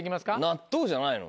納豆じゃないの？